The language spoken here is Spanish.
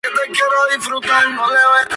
Fue muy amigo de David Fairchild.